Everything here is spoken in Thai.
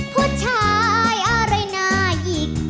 ผู้ชายอะไรน่าหยิก